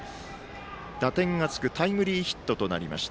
打点がつくタイムリーヒットとなりました。